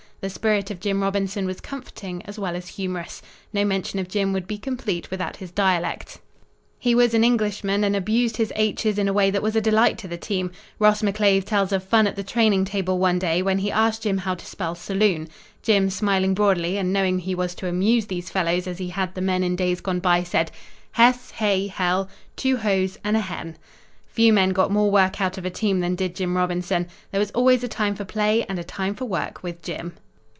The spirit of Jim Robinson was comforting as well as humorous. No mention of Jim would be complete without his dialect. [Illustration: THE ELECT] He was an Englishman and abused his h's in a way that was a delight to the team. Ross McClave tells of fun at the training table one day when he asked Jim how to spell "saloon." Jim, smiling broadly and knowing he was to amuse these fellows as he had the men in days gone by, said: "Hess Hay Hell two Hoes and a Hen." Few men got more work out of a team than did Jim Robinson. There was always a time for play and a time for work with Jim.